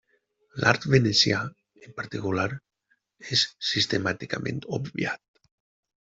L'art venecià, en particular, és sistemàticament obviat.